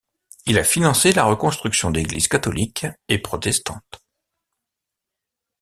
Il a financé la reconstruction d'églises catholiques et protestantes.